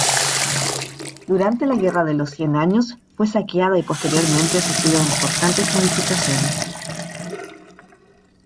Durante la Guerra de los Cien Años fue saqueada y posteriormente sufrió importantes modificaciones.